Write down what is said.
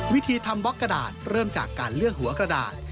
วิธีทำบล็อกกระดาษเริ่มจากการเลือกหัวกระดาษ